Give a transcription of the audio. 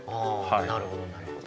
あなるほどなるほど。